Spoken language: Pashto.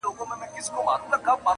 لاره تعقيبوي خاموشه او جلا-